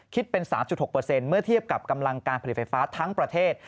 คิดเป็น๓๖เมื่อเทียบกับกำลังการผลิตไฟฟ้าทั้งประเทศ